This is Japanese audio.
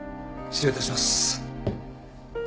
失礼いたします。